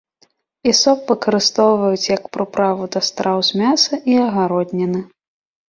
Ісоп выкарыстоўваюць як прыправу да страў з мяса і агародніны.